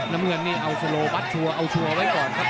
น้ำเงินนี่เอาสโลบัสชัวร์เอาชัวร์ไว้ก่อนครับ